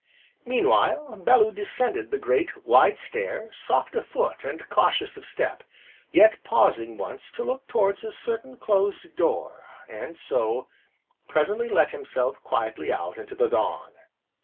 Meanwhile, Bellew descended the great, wide stair, soft of foot, and cautious of step, yet pausing once to look towards a certain closed door, and so, presently let himself quietly out into the dawn.